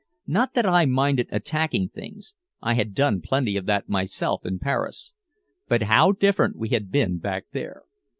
Not that I minded attacking things, I had done plenty of that myself in Paris. But how different we had been back there.